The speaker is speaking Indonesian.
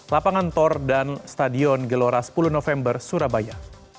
lapangan tor dan stadion gelora sepuluh november surabaya